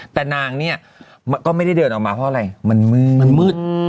แต่นางเนี่ยก็ไม่ได้เดินออกมาเพราะอะไรมันมืดมันมืด